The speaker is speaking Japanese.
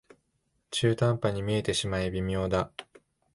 中途半端に見えてしまい微妙だ